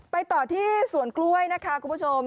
ต่อที่สวนกล้วยนะคะคุณผู้ชม